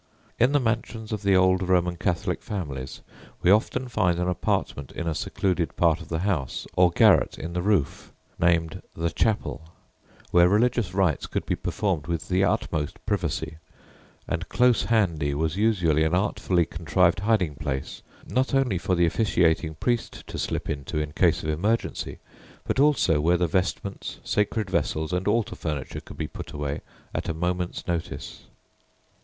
In the mansions of the old Roman Catholic families we often find an apartment in a secluded part of the house or garret in the roof named "the chapel," where religious rites could be performed with the utmost privacy, and close handy was usually an artfully contrived hiding place, not only for the officiating priest to slip into in case of emergency, but also where the vestments, sacred vessels, and altar furniture could be put away at a moment's notice.